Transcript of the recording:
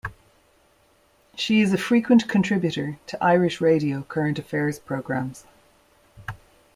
She is a frequent contributor to Irish radio current affairs programmes.